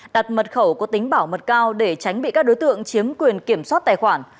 đặt mật khẩu có tính bảo mật cao để tránh bị các đối tượng chiếm quyền kiểm soát tài khoản